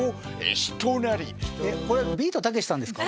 えっこれビートたけしさんですか？